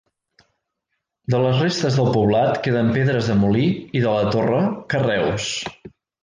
De les restes del poblat queden pedres de molí, i de la torre, carreus.